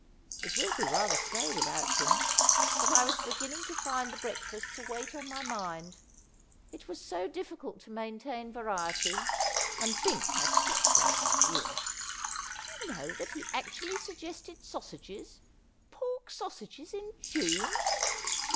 Ii will be rather . low wiihout him. But I whs begin u iil; to find Uie hreaUfasts a weight on my m nd. It uasso difiicult to mainiaiu variety — and Bi[jk has ^ uch low ideas. Do you know that he actually suggested sausages — pork sausages in J une